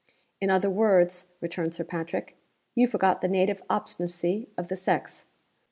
"In other words," returned Sir Patrick, "you forgot the native obstinacy of the sex.